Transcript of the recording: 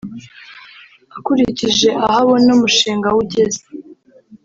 Akurikije aho abona umushinga we ugeze